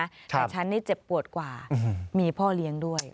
แต่ฉันนี่เจ็บปวดกว่ามีพ่อเลี้ยงด้วย